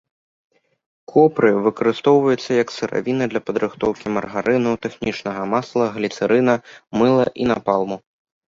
Копры выкарыстоўваецца як сыравіна для падрыхтоўкі маргарыну, тэхнічнага масла, гліцэрына, мыла і напалму.